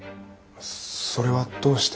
それはどうして？